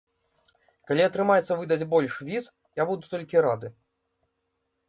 Калі атрымаецца выдаць больш віз, я буду толькі рады.